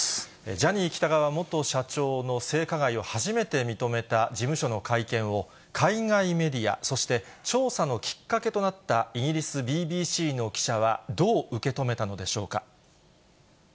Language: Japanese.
ジャニー喜多川元社長の性加害を初めて認めた事務所の会見を、海外メディア、そして調査のきっかけとなったイギリスＢＢＣの記者は、どう受け止めたのでしょうか。